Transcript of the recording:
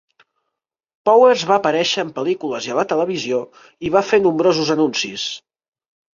Powers va aparèixer en pel·lícules i a la televisió i va fer nombrosos anuncis.